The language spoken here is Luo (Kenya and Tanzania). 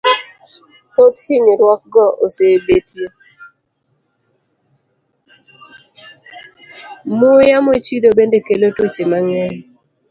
Muya mochido bende kelo tuoche mang'eny.